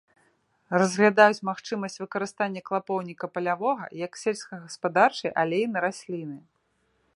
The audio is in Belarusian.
Разглядаюць магчымасць выкарыстання клапоўніка палявога як сельскагаспадарчай алейнай расліны.